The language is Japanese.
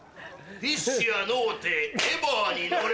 フィッシュやのうてエヴァに乗れ。